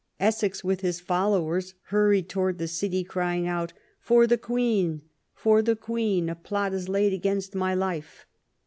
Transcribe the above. Essex, with his followers, hurried towards the City, crying out :" For the Queen ! for the Queen ! a plot is laid against my life".